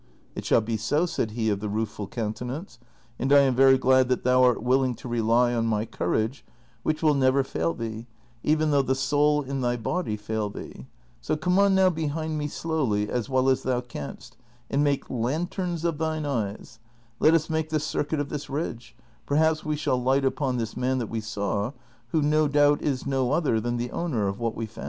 <■' It shall be so," said he of the Rueful Countenance, " and I am very glad that thou art willing to rely on my courage, which will never fail thee, even though the soul in thy body fail thee ; so come on now behind me slowly as well as thou canst, and make lanterns of thine eyes ; let us make the cir cuit of this ridge ; perhaps we shall light upon this man that we saw, who no doubt is no other than the owner of what we found."